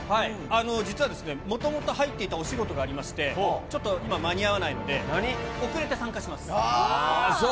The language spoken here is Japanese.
実は、もともと入っていたお仕事がありまして、ちょっと今、間に合わないので、遅れて参加しあー、そう。